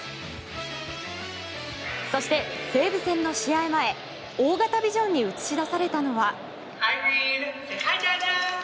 そして西武戦の試合前大型ビジョンに映し出されたのは。